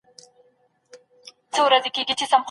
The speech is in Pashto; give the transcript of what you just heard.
ډاکټر کمپبل وايي دا مسله ساده ده.